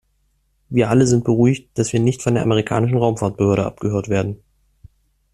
Wir alle sind beruhigt, dass wir nicht von der amerikanischen Raumfahrtbehörde abgehört werden.